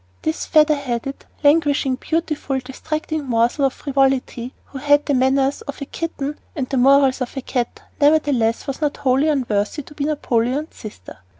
This feather headed, languishing, beautiful, distracting morsel of frivolity, who had the manners of a kitten and the morals of a cat, nevertheless was not wholly unworthy to be Napoleon's sister.